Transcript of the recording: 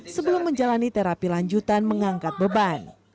sebelum menjalani terapi lanjutan mengangkat beban